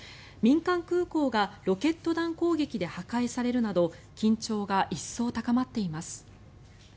民間空港がロケット弾攻撃で破壊されるなど緊張が一層高まっています。